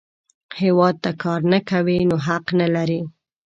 هیواد ته کار نه کوې، نو حق نه لرې